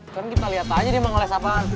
kan kita liat aja dia mau ngoles apaan